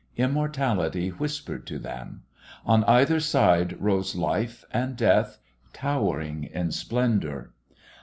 Immortality whispered to them. On either side rose Life and Death, towering in splendour.